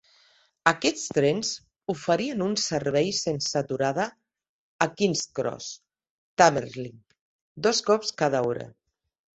Aquests trens oferien un servei sense aturada a King's Cross Thameslink dos cops cada hora.